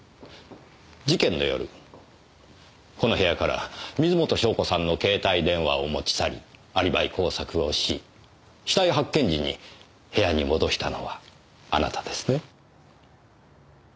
事件の夜この部屋から水元湘子さんの携帯電話を持ち去りアリバイ工作をし死体発見時に部屋に戻したのはあなたですね？